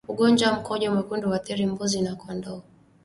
Ugonjwa wa mkojo mwekundu huathiri mbuzi na kondoo